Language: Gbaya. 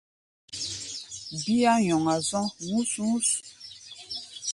Bíá nyɔŋa zɔ̧́ hú̧s-hú̧s.